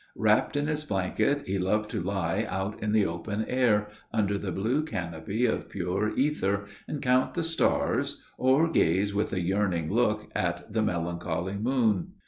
Wrapped in his blanket, he loved to lie out in the open air, under the blue canopy of pure ether, and count the stars, or gaze, with a yearning look, at the melancholy moon.